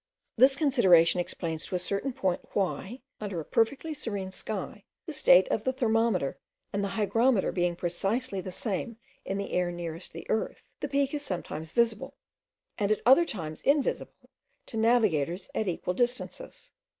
This consideration explains to a certain point, why, under a perfectly serene sky, the state of the thermometer and the hygrometer being precisely the same in the air nearest the earth, the peak is sometimes visible, and at other times invisible, to navigators at equal distances.